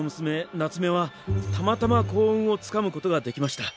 なつめはたまたま幸運をつかむことができました。